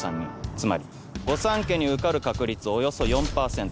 つまり御三家に受かる確率およそ４％。